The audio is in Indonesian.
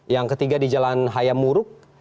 yang ketiga di jalan hayam muruk